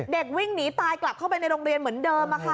เด็กวิ่งหนีตายกลับเข้าไปในโรงเรียนเหมือนเดิม